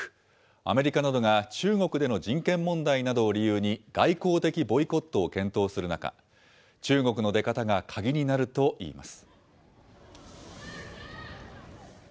アメリカなどが中国での人権問題などを理由に、外交的ボイコットを検討する中、中国の出方が鍵になるといいます。